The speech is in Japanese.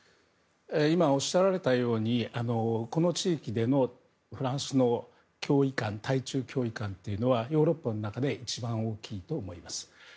今、おっしゃられたようにこの地域でのフランスの脅威感対中脅威感というのはヨーロッパの中で一番大きいと思います。